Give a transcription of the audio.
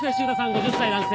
５０歳男性。